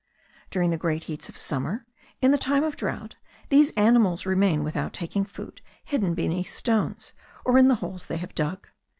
During the great heats of summer, in the time of drought, these animals remain without taking food, hidden beneath stones, or in the holes they have dug.